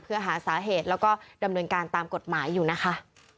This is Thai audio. เพื่อหาสาเหตุแล้วก็ดำเนินการตามกฎหมายอยู่นะคะ